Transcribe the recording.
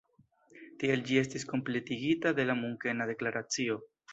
Tial ĝi estis kompletigita de la Munkena Deklaracio.